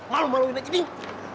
malu maluin aja ding